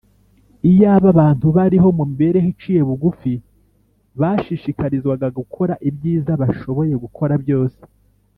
iyaba abantu bariho mu mibereho iciye bugufi bashishikarizwaga gukora ibyiza bashoboye gukora byose